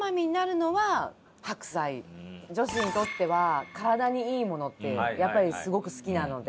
やっぱり女子にとっては体にいいものってやっぱりすごく好きなので。